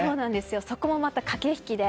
そこもまた駆け引きで。